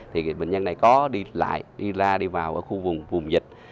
thì bệnh nhân này có đi lại đi ra đi vào ở khu vùng dịch